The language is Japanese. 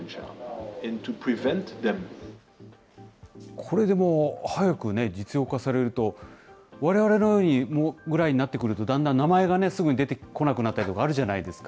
これでも、早く実用化されると、われわれぐらいになってくると、だんだん名前がね、すぐに出てこなくなったりとかあるじゃないですか。